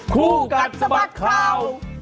คู่กันสมัครเขา